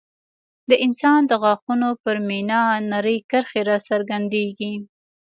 د انسان د غاښونو پر مینا نرۍ کرښې راڅرګندېږي.